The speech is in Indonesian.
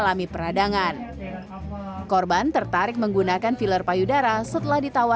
cuma yang baru setik up itu baru beberapa korban saja sih